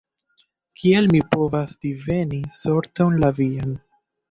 Kiel mi povas diveni sorton la vian?